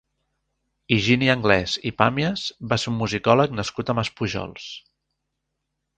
Higini Anglès i Pàmies va ser un musicòleg nascut a Maspujols.